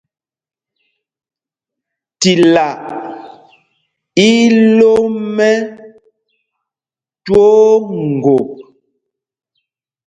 Tilá í í lō mɛ̄ twóó ŋgop.